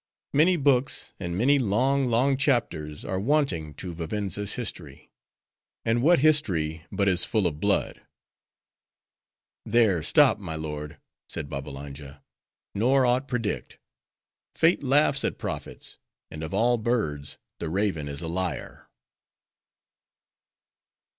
Many books, and many long, long chapters, are wanting to Vivenza's history; and whet history but is full of blood?" "There stop, my lord," said Babbalanja, "nor aught predict. Fate laughs at prophets; and of all birds, the raven is a liar!"